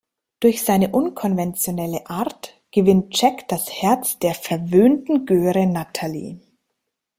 Durch seine unkonventionelle Art gewinnt Jack das Herz der „verwöhnten Göre“ Natalie.